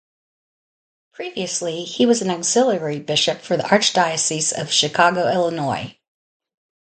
Previously he was an auxiliary bishop for the Archdiocese of Chicago, Illinois.